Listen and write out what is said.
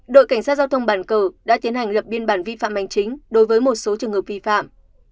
đội cảnh sát giao thông bản cờ đã tiến hành lập biên bản vi phạm hành chính đối với một số trường hợp vi phạm